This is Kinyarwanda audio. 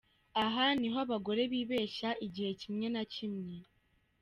Aha niho abagore bibeshya igihe kimwe na kimwe.